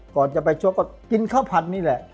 ก่อนจะไปชกก็กินข้าวผัดนี่แหละ